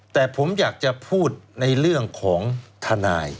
แต่ผมอยากจะพูดในเรื่องของทนาย